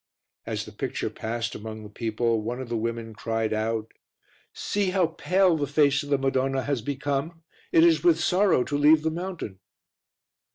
As the picture passed among the people one of the women cried out "See how pale the face of the Madonna has become; it is with sorrow to leave the Mountain."